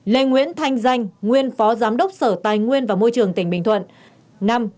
năm lê nguyễn thanh danh nguyên phó giám đốc sở tài nguyên và môi trường tỉnh bình thuận